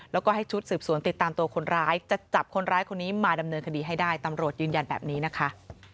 แล้วก็ให้ชุดสืบสวนติดตามตัวคนร้ายจะจับคนร้ายคนนี้มาดำเนินคดีให้ได้ตำรวจยืนยันแบบนี้นะคะ